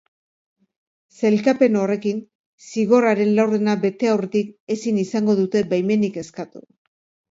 Sailkapen horrekin, zigorraren laurdena bete aurretik ezin izango dute baimenik eskatu.